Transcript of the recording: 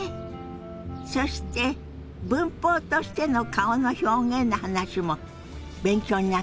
そして文法としての顔の表現の話も勉強になったでしょ？